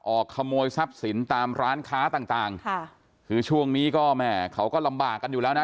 ขโมยทรัพย์สินตามร้านค้าต่างต่างค่ะคือช่วงนี้ก็แม่เขาก็ลำบากกันอยู่แล้วนะ